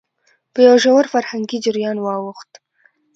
په يوه ژور فرهنګي جريان واوښت،